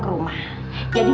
ke rumah jadi